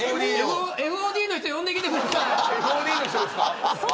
ＦＯＤの人呼んできてください。